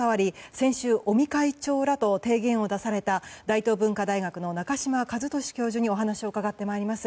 先週、尾身会長らと提言を出された大東文化大学の中島一敏教授にお話を伺います。